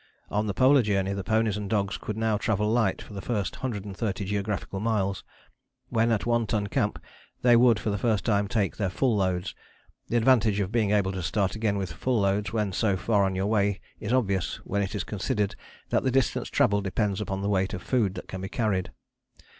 On the Polar Journey the ponies and dogs could now travel light for the first hundred and thirty geographical miles, when, at One Ton Camp, they would for the first time take their full loads: the advantage of being able to start again with full loads when so far on your way is obvious when it is considered that the distance travelled depends upon the weight of food that can be carried.